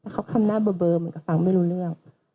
เขาทำหน้าเบอร์มีฟังไม่รู้เรื่อง